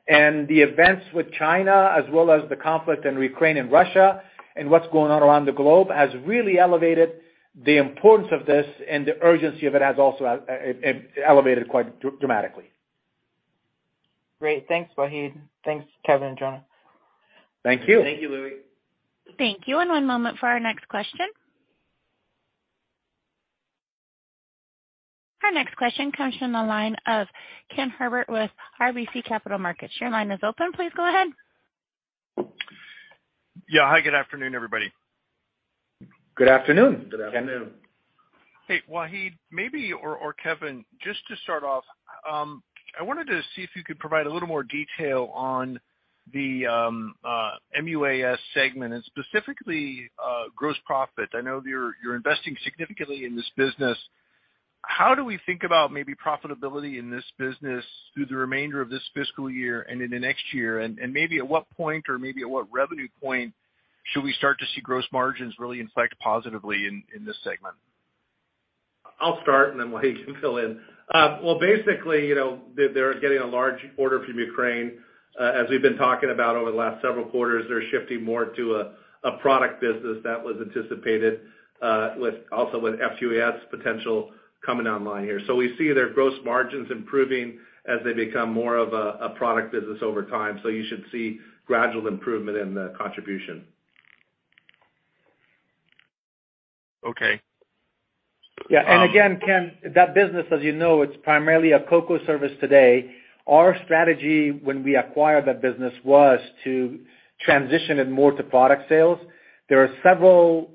The events with China, as well as the conflict in Ukraine and Russia and what's going on around the globe, has really elevated the importance of this, and the urgency of it has also, it elevated quite dramatically. Great. Thanks, Wahid. Thanks, Kevin and Jonah. Thank you. Thank you, Louie. Thank you. One moment for our next question. Our next question comes from the line of Ken Herbert with RBC Capital Markets. Your line is open. Please go ahead. Yeah. Hi, good afternoon, everybody. Good afternoon. Good afternoon. Hey, Wahid, maybe or Kevin, just to start off, I wanted to see if you could provide a little more detail on the MUAS segment and specifically, gross profit. I know you're investing significantly in this business. How do we think about maybe profitability in this business through the remainder of this fiscal year and into next year? Maybe at what point or maybe at what revenue point should we start to see gross margins really inflect positively in this segment? I'll start, and then Wahid can fill in. Well, basically, you know, they're getting a large order from Ukraine. As we've been talking about over the last several quarters, they're shifting more to a product business that was anticipated, with also with FTUAS potential coming online here. We see their gross margins improving as they become more of a product business over time. You should see gradual improvement in the contribution. Okay. Again, Ken, that business, as you know, it's primarily a COCO service today. Our strategy when we acquired that business was to transition it more to product sales. There are several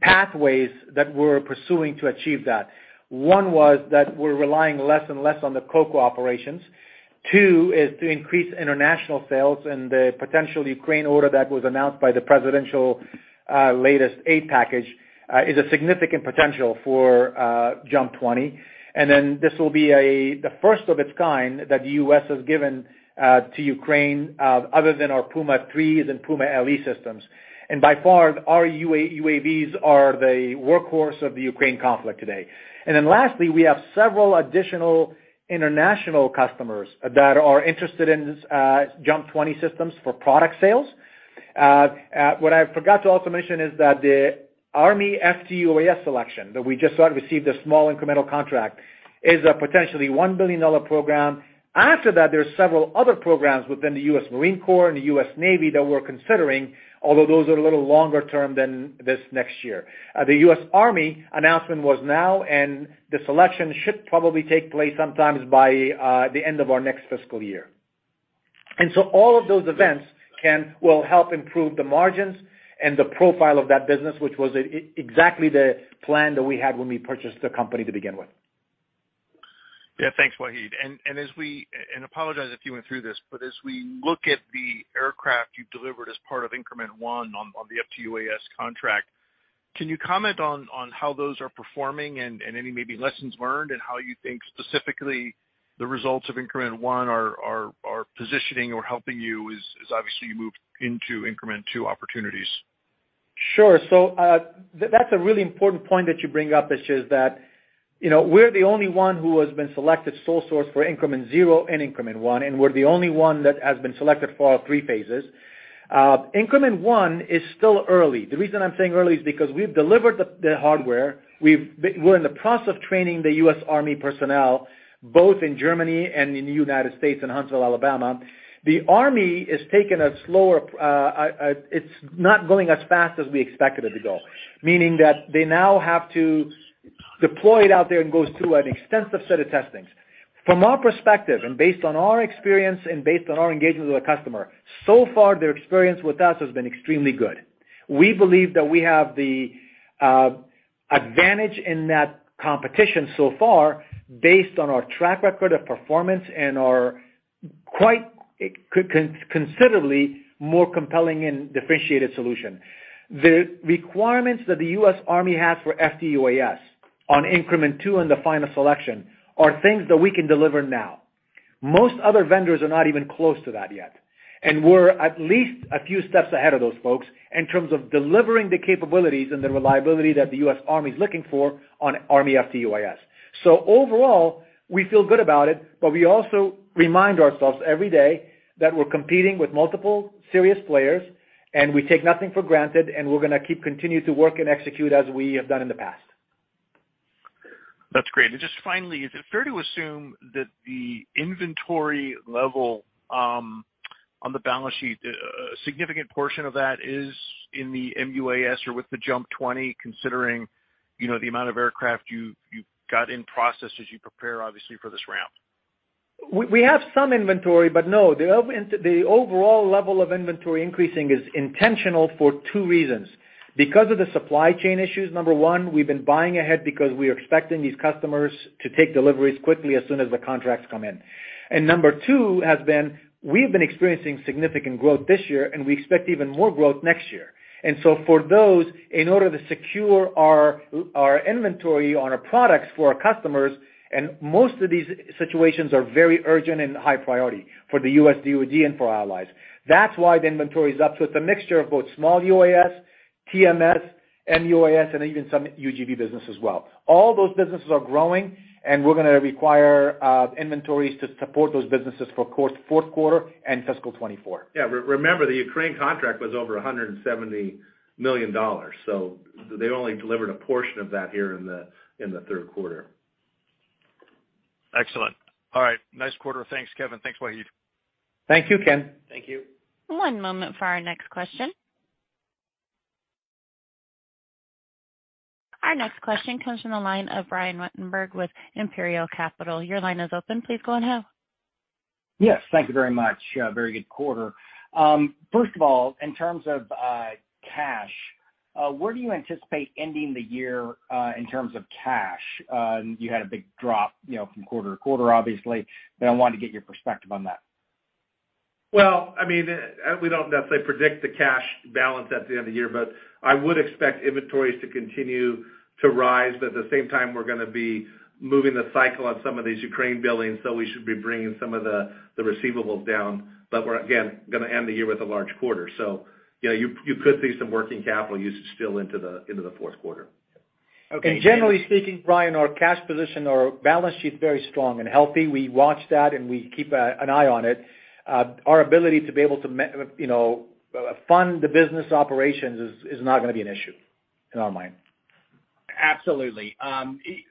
pathways that we're pursuing to achieve that. One was that we're relying less and less on the COCO operations. Two is to increase international sales, the potential Ukraine order that was announced by the presidential latest aid package is a significant potential for JUMP 20. This will be the first of its kind that the U.S. has given to Ukraine, other than our Puma 3 and Puma LE systems. By far, our UAVs are the workhorse of the Ukraine conflict today. Lastly, we have several additional international customers that are interested in JUMP 20 systems for product sales. What I forgot to also mention is that the Army FTUAS selection that we just received a small incremental contract, is a potentially $1 billion program. After that, there are several other programs within the U.S. Marine Corps and the U.S. Navy that we're considering, although those are a little longer term than this next year. The U.S. Army announcement was now, and the selection should probably take place sometimes by the end of our next fiscal year. All of those events will help improve the margins and the profile of that business, which was exactly the plan that we had when we purchased the company to begin with. Yeah. Thanks, Wahid. As we apologize if you went through this, but as we look at the aircraft you delivered as part of Increment 1 on the FTUAS contract, can you comment on how those are performing and any maybe lessons learned and how you think specifically the results of Increment 1 are positioning or helping you as obviously you move into Increment 2 opportunities? Sure. That's a really important point that you bring up, which is that, you know, we're the only one who has been selected sole source for Increment 0 and Increment 1, and we're the only one that has been selected for all three phases. Increment 1 is still early. The reason I'm saying early is because we've delivered the hardware. We're in the process of training the U.S. Army personnel, both in Germany and in the U.S., in Huntsville, Alabama. The Army is taking a slower, it's not going as fast as we expected it to go, meaning that they now have to deploy it out there and go through an extensive set of testings. From our perspective and based on our experience and based on our engagement with the customer, so far, their experience with us has been extremely good. We believe that we have the advantage in that competition so far based on our track record of performance and our quite considerably more compelling and differentiated solution. The requirements that the U.S. Army has for FTUAS on Increment 2 and the final selection are things that we can deliver now. Most other vendors are not even close to that yet, we're at least a few steps ahead of those folks in terms of delivering the capabilities and the reliability that the U.S. Army is looking for on Army FTUAS. Overall, we feel good about it, we also remind ourselves every day that we're competing with multiple serious players, we take nothing for granted, we're gonna keep continuing to work and execute as we have done in the past. That's great. Just finally, is it fair to assume that the inventory level? On the balance sheet, a significant portion of that is in the MUAS or with the JUMP 20, considering, you know, the amount of aircraft you got in process as you prepare obviously for this round. We have some inventory. No, the overall level of inventory increasing is intentional for two reasons. Because of the supply chain issues, number 1, we've been buying ahead because we're expecting these customers to take deliveries quickly as soon as the contracts come in. Number two has been, we've been experiencing significant growth this year, and we expect even more growth next year. For those, in order to secure our inventory on our products for our customers, and most of these situations are very urgent and high priority for the U.S. DoD and for allies. That's why the inventory is up. It's a mixture of both small UAS, TMS, MUAS, and even some UGV business as well. All those businesses are growing, and we're gonna require inventories to support those businesses for course fourth quarter and fiscal 2024. Yeah. Remember, the Ukraine contract was over $170 million, so they only delivered a portion of that here in the third quarter. Excellent. All right. Nice quarter. Thanks, Kevin. Thanks, Wahid. Thank you, Ken. Thank you. One moment for our next question. Our next question comes from the line of Brian Ruttenbur with Imperial Capital. Your line is open. Please go ahead. Yes. Thank you very much. very good quarter. first of all, in terms of, cash, where do you anticipate ending the year, in terms of cash? You had a big drop, you know, from quarter-to-quarter, obviously, but I wanted to get your perspective on that. Well, I mean, we don't necessarily predict the cash balance at the end of the year, but I would expect inventories to continue to rise. At the same time, we're gonna be moving the cycle on some of these Ukraine billings, so we should be bringing some of the receivables down. We're, again, gonna end the year with a large quarter. You know, you could see some working capital usage still into the fourth quarter. Okay. Generally speaking, Brian, our cash position, our balance sheet is very strong and healthy. We watch that, and we keep an eye on it. Our ability to be able to you know, fund the business operations is not gonna be an issue in our mind. Absolutely.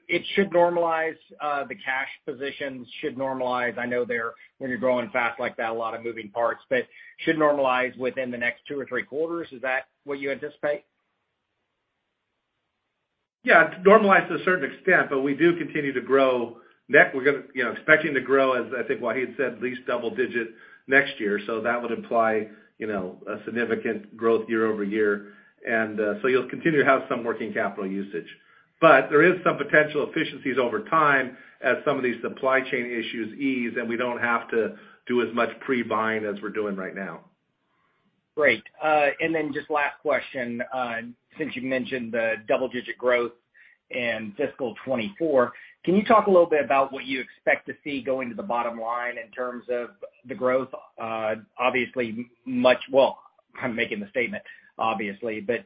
It should normalize, the cash positions should normalize. I know they're, when you're growing fast like that, a lot of moving parts, but should normalize within the next two or three quarters. Is that what you anticipate? Yeah. To normalize to a certain extent, but we do continue to grow. Next, we're gonna, you know, expecting to grow, as I think Wahid said, at least double-digit next year. That would imply, you know, a significant growth year-over-year. You'll continue to have some working capital usage. There is some potential efficiencies over time as some of these supply chain issues ease, and we don't have to do as much pre-buying as we're doing right now. Great. Then just last question, since you've mentioned the double-digit growth in fiscal 2024, can you talk a little bit about what you expect to see going to the bottom line in terms of the growth? Obviously, I'm making the statement, obviously, but,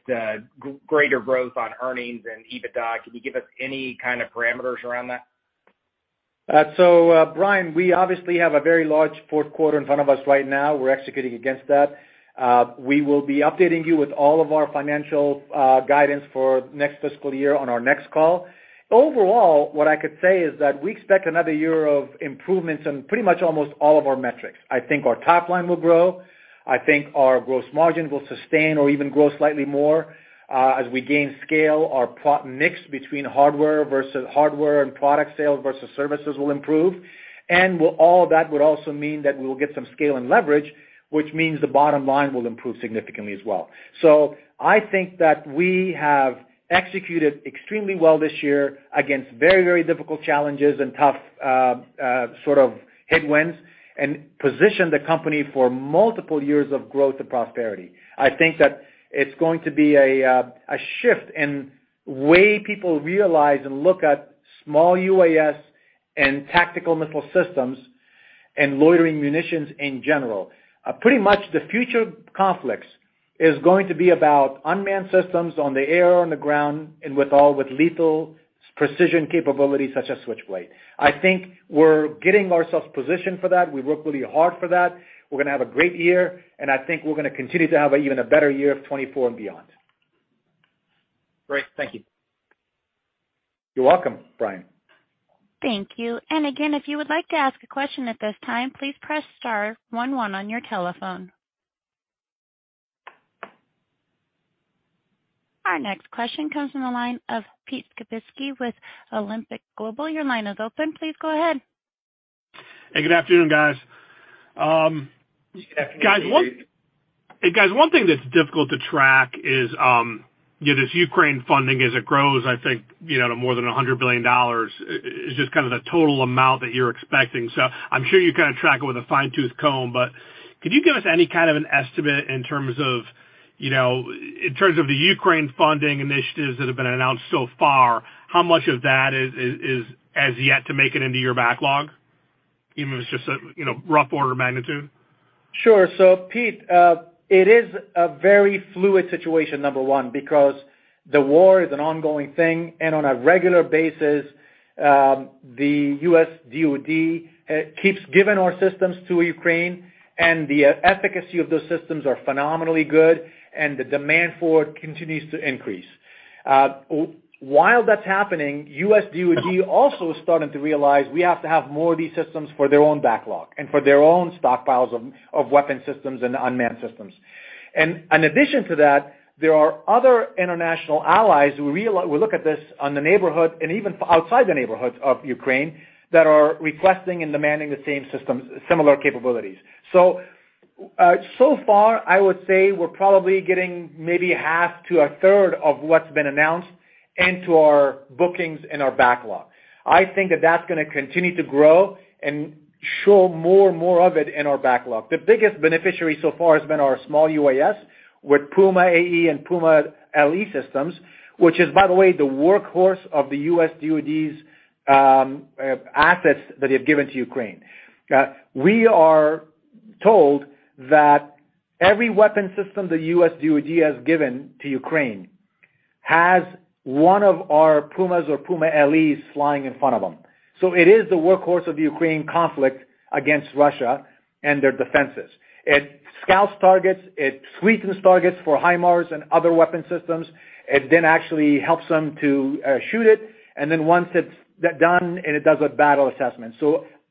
greater growth on earnings and EBITDA, can you give us any kind of parameters around that? Brian, we obviously have a very large fourth quarter in front of us right now. We're executing against that. We will be updating you with all of our financial guidance for next fiscal year on our next call. Overall, what I could say is that we expect another year of improvements on pretty much almost all of our metrics. I think our top line will grow. I think our gross margin will sustain or even grow slightly more. As we gain scale, our [mixed] between hardware versus hardware and product sales versus services will improve. All that would also mean that we'll get some scale and leverage, which means the bottom line will improve significantly as well. I think that we have executed extremely well this year against very, very difficult challenges and tough sort of headwinds, and positioned the company for multiple years of growth and prosperity. I think that it's going to be a shift in way people realize and look at small UAS and tactical missile systems and loitering munitions in general. Pretty much the future conflicts is going to be about unmanned systems on the air or on the ground and with all with lethal precision capabilities such as Switchblade. I think we're getting ourselves positioned for that. We work really hard for that. We're gonna have a great year, and I think we're gonna continue to have an even a better year of 2024 and beyond. Great. Thank you. You're welcome, Brian. Thank you. Again, if you would like to ask a question at this time, please press star one one on your telephone. Our next question comes from the line of Pete Skibitski with Alembic Global Advisors. Your line is open. Please go ahead. Hey, good afternoon, guys. Good afternoon. Hey, guys, one thing that's difficult to track is, you know, this Ukraine funding as it grows, I think, you know, to more than $100 billion is just kind of the total amount that you're expecting. I'm sure you kinda track it with a fine-tooth comb, but could you give us any kind of an estimate in terms of, you know, in terms of the Ukraine funding initiatives that have been announced so far? How much of that is as yet to make it into your backlog, even if it's just a, you know, rough order of magnitude? Sure. Pete, it is a very fluid situation, number one, because the war is an ongoing thing. On a regular basis, the U.S. DoD keeps giving our systems to Ukraine, and the efficacy of those systems are phenomenally good, and the demand for it continues to increase. While that's happening, U.S. DoD also is starting to realize we have to have more of these systems for their own backlog and for their own stockpiles of weapon systems and unmanned systems. In addition to that, there are other international allies who we look at this on the neighborhood and even outside the neighborhoods of Ukraine that are requesting and demanding the same systems, similar capabilities. So far, I would say we're probably getting maybe half to a third of what's been announced into our bookings and our backlog. I think that that's gonna continue to grow and show more and more of it in our backlog. The biggest beneficiary so far has been our small UAS with Puma AE and Puma LE systems, which is, by the way, the workhorse of the U.S. DoD's assets that they've given to Ukraine. We are told that every weapon system the U.S. DoD has given to Ukraine has one of our Pumas or Puma LEs flying in front of them. It is the workhorse of the Ukraine conflict against Russia and their defenses. It scouts targets, it sweetens targets for HIMARS and other weapon systems. It then actually helps them to shoot it, and then once it's done, it does a battle assessment.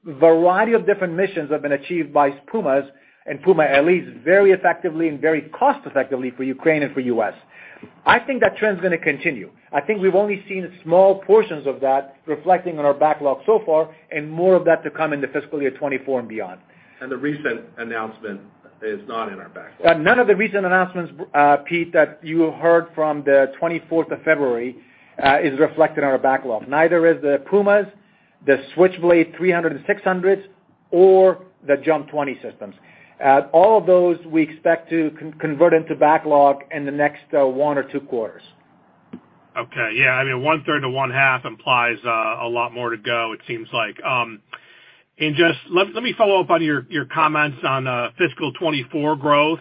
Variety of different missions have been achieved by Puma and Puma LEs very effectively and very cost effectively for Ukraine and for U.S. I think that trend's gonna continue. I think we've only seen small portions of that reflecting on our backlog so far, and more of that to come in the fiscal year 2024 and beyond. The recent announcement is not in our backlog. None of the recent announcements, Pete, that you heard from the 24th of February, is reflected on our backlog. Neither is the Pumas, the Switchblade 300 and 600s or the JUMP 20 systems. All of those we expect to convert into backlog in the next one or two quarters. Okay. Yeah, I mean, one-third to one-half implies a lot more to go, it seems like. Just let me follow up on your comments on fiscal 2024 growth.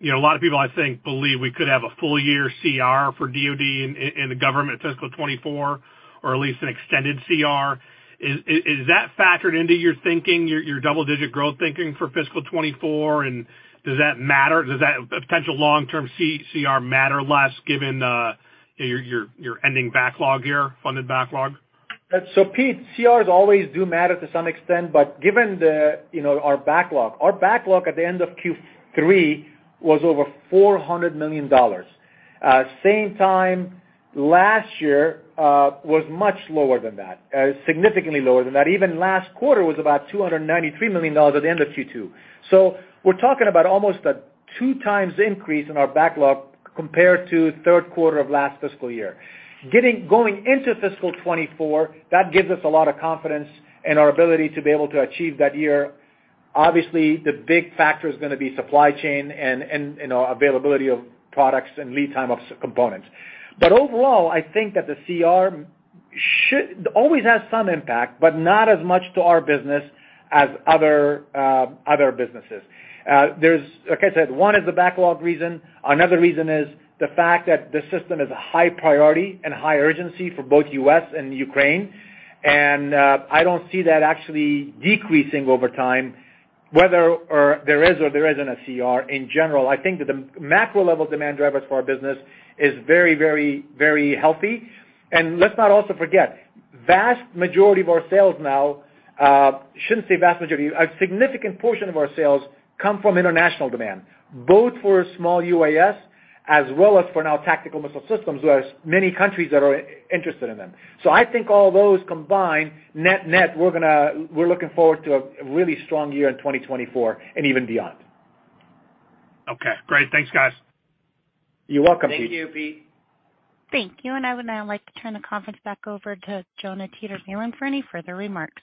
You know, a lot of people, I think, believe we could have a full year CR for DoD in the government fiscal 2024, or at least an extended CR. Is that factored into your thinking, your double-digit growth thinking for fiscal 2024, and does that matter? Does that potential long-term CR matter less given your ending backlog here, funded backlog? Pete, CRs always do matter to some extent, but given the, you know, our backlog. Our backlog at the end of Q3 was over $400 million. Same time last year, was much lower than that, significantly lower than that. Even last quarter was about $293 million at the end of Q2. We're talking about almost a two times increase in our backlog compared to third quarter of last fiscal year. Going into fiscal 2024, that gives us a lot of confidence in our ability to be able to achieve that year. Obviously, the big factor is gonna be supply chain and, you know, availability of products and lead time of components. Overall, I think that the CR always has some impact, but not as much to our business as other businesses. There's, like I said, one is the backlog reason. Another reason is the fact that the system is a high priority and high urgency for both U.S. and Ukraine. I don't see that actually decreasing over time, whether or there is or there isn't a CR in general. I think that the macro level demand drivers for our business is very, very, very healthy. Let's not also forget, vast majority of our sales now, shouldn't say vast majority. A significant portion of our sales come from international demand, both for small UAS as well as for now tactical missile systems. There's many countries that are interested in them. I think all those combined, net-net, we're looking forward to a really strong year in 2024 and even beyond. Okay, great. Thanks, guys. You're welcome, Pete. Thank you, Pete. Thank you. I would now like to turn the conference back over to Jonah Teeter-Balin for any further remarks.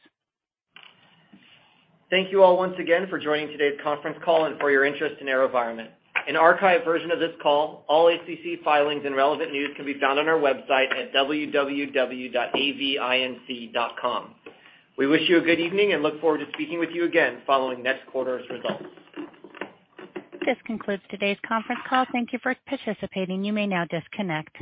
Thank you all once again for joining today's conference call and for your interest in AeroVironment. An archived version of this call, all SEC filings and relevant news can be found on our website at www.avinc.com. We wish you a good evening and look forward to speaking with you again following next quarter's results. This concludes today's conference call. Thank you for participating. You may now disconnect.